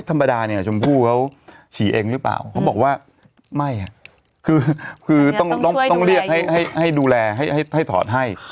ธรรมดาเนี่ยชมพู่เขาฉี่เองหรือเปล่าเขาบอกว่าไม่คือต้องเรียกให้ดูแลให้ถอดให้